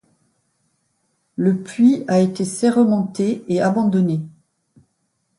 Le puits a été serrementé et abandonné.